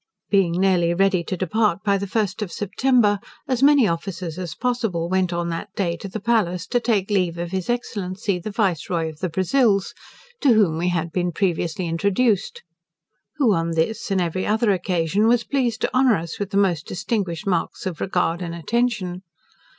Being nearly ready to depart by the 1st of September, as many officers as possible went on that day to the palace to take leave of his Excellency, the Viceroy of the Brazils, to whom we had been previously introduced; who on this, and every other occasion, was pleased to honour us with the most distinguished marks of regard and attention.